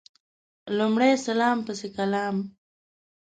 لمړی سلام پسي کلام